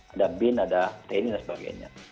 ada bin ada tni dan sebagainya